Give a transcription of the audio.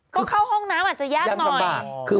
ก็เข้าห้องน้ำอาจจะยากหน่อย